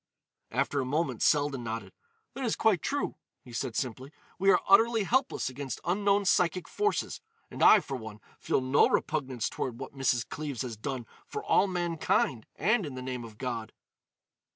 After a moment Selden nodded. "That is quite true," he said simply. "We are utterly helpless against unknown psychic forces. And I, for one, feel no repugnance toward what Mrs. Cleves has done for all mankind and in the name of God."